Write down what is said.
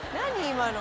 今の。